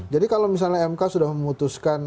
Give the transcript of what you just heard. jadi kalau misalnya mk sudah memutuskan